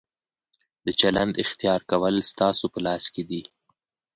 د چلند اختیار کول ستاسو په لاس کې دي.